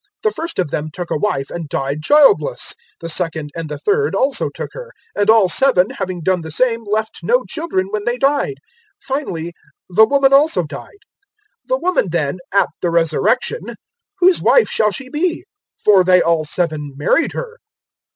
The first of them took a wife and died childless. 020:030 The second and the third also took her; 020:031 and all seven, having done the same, left no children when they died. 020:032 Finally the woman also died. 020:033 The woman, then at the Resurrection whose wife shall she be? for they all seven married her."